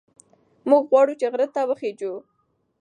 موږ غواړو چې د غره سر ته وخېژو.